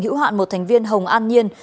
hữu hạn một thành viên hồng an nhiên